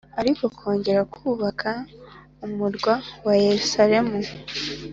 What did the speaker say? ariko kongera kubaka umurwa wa yerusalemu